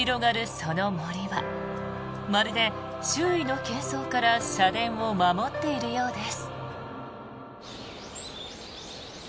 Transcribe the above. その杜はまるで周囲のけん騒から社殿を守っているようです。